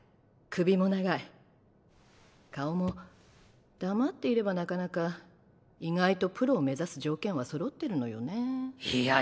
首も長い顔も黙っていればなかなか意外とプロを目指す条件はそろってるいや